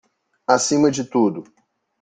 Acima de tudo